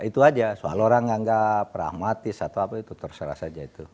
itu aja soal orang yang anggap pragmatis atau apa itu terserah saja itu